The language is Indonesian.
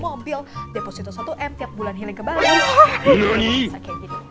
mobil deposito satu m tiap bulan healing kebalik